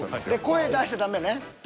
声出しちゃダメね。